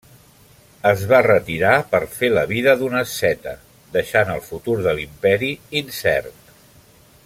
Es va retirar per fer la vida d'un asceta deixant el futur de l'imperi incert.